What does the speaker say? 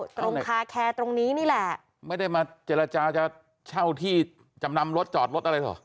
ตรงคาแคร์ตรงนี้นี่แหละไม่ได้มาเจรจาจะเช่าที่จำนำรถจอดรถอะไรเหรอ